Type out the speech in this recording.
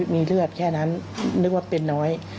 มีเลือดแค่นั้นนึกว่าเป็นน้อย